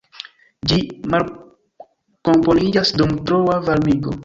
Ĝi malkomponiĝas dum troa varmigo.